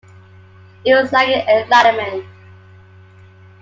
It was like an enlightenment.